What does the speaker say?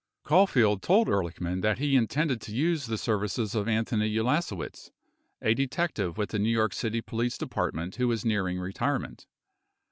Caulfield told Ehrlichman that he intended to use the services of Anthony Ulasewicz, a detective with the New York City Police De partment w'ho was nearing retirement.